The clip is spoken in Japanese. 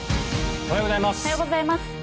おはようございます。